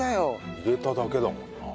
入れただけだもんなあ。